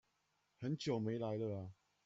很久沒來了啊！